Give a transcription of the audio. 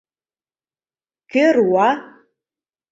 Кӧ руа?